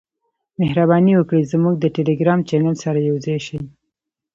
مهرباني وکړئ زموږ د ټیلیګرام چینل سره یوځای شئ .